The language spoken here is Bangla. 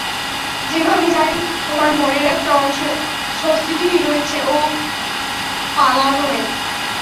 যেভাবে জানি, তোমার মনের একটা অংশ স্বস্তিতেই রয়েছে ও পালানোয়।